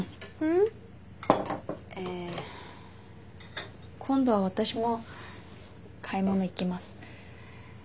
ん？え今度は私も買い物行きます。